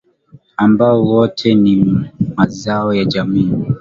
Ambao wote ni mazao ya jamii